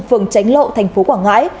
phường tránh lộ tp quảng ngãi